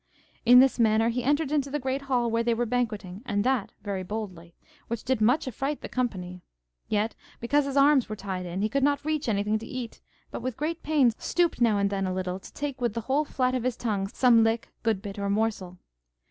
In this manner he entered into the great hall where they were banqueting, and that very boldly, which did much affright the company; yet, because his arms were tied in, he could not reach anything to eat, but with great pain stooped now and then a little to take with the whole flat of his tongue some lick, good bit, or morsel.